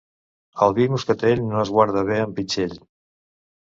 El vi moscatell no es guarda bé amb pitxell.